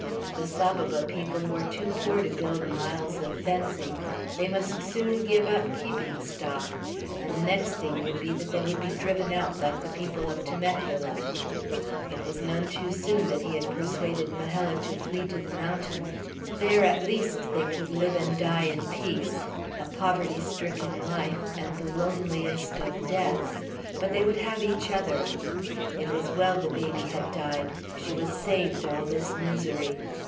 The Saboba people were too poor to build miles of fencing; they must soon give up keeping stock; and the next thing would be that they would be driven out, like the people of Temecula. It was none too soon that he had persuaded Majella to flee to the mountain. There, at least, they could live and die in peace, a poverty stricken life, and the loneliest of deaths; but they would have each other. It was well the baby had died; she was saved all this misery.